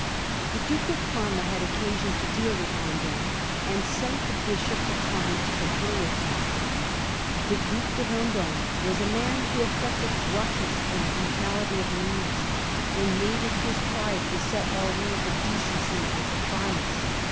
The Duke of Parma had occasion to deal with Vend6me, and sent the Bishop of Parma to confer with him. The Due de Vend6me was a man who affected roughness and brutality of man ners, and made it his pride to set all rules of decency at defiance.